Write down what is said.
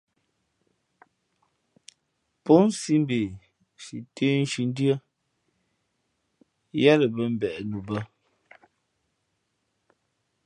Pó nsī mbe si tə́ nshǐ ndʉ́ά yáá lα bᾱ mbeʼ nu bᾱ.